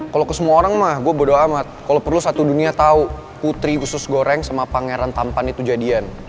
kalau ke semua orang mah gue bodoh amat kalau perlu satu dunia tahu putri khusus goreng sama pangeran tampan itu jadian